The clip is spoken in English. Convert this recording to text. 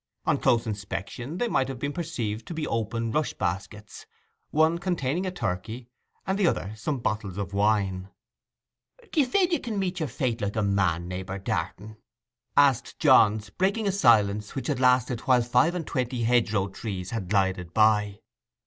On close inspection they might have been perceived to be open rush baskets—one containing a turkey, and the other some bottles of wine. 'D'ye feel ye can meet your fate like a man, neighbour Darton?' asked Johns, breaking a silence which had lasted while five and twenty hedgerow trees had glided by.